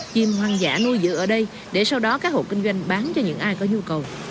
chim hoang dã nuôi giữ ở đây để sau đó các hộ kinh doanh bán cho những ai có nhu cầu